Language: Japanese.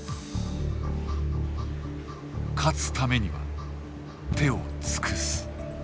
勝つためには手を尽くす。